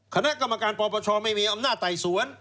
คณะกรรมการปปชไม่มีอำนาจไต่สวน